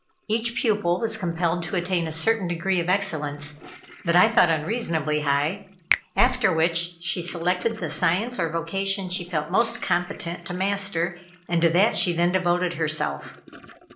Each pupil was compelled to attain a certain degree of excellence that I thought unreasonably high, after which she selected the science or vocation she felt most competent to master, and to that she then devoted herself.